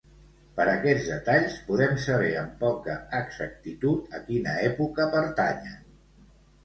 Per aquests detalls podem saber amb poca exactitud a quina època pertanyen.